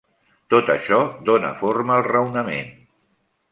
Tot això dóna forma al raonament.